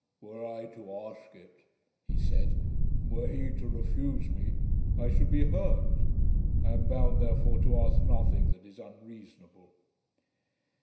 "Were I to ask it," he said, "and were he to refuse me, I should be hurt. I am bound therefore to ask nothing that is unreasonable."